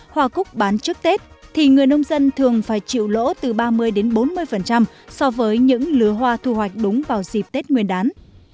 hoa cúc bán trước tết thì người nông dân thường phải chịu lỗ từ ba mươi bốn mươi so với những lứa hoa thu hoạch đúng vào dịp tết nguyên đán